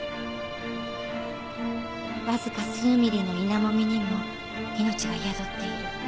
「わずか数ミリの稲もみにも命が宿っている」